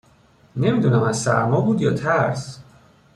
نمیدونم از سرما بود یا ترس